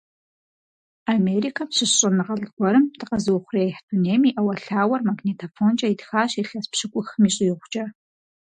Америкэм щыщ щӀэныгъэлӀ гуэрым дыкъэзыухъуреихь дунейм и Ӏэуэлъауэр магнитофонкӀэ итхащ илъэс пщыкӀухым щӀигъукӀэ.